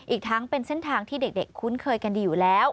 อีกทั้งเป็นเส้นทางที่เด็กคุ้นเคยกันดีอยู่แล้ว